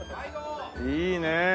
いいね！